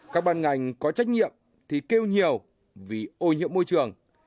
các ban ngành có trách nhiệm thì kêu nhiều vì ô nhiễm môi trường